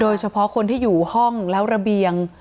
โดยเฉพาะคนที่อยู่ห้องแล้วระเบียง